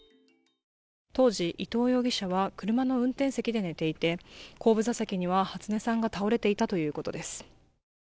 当時、伊藤容疑者は車の運転席で寝ていて後部座席には初音さんが倒れていたということです。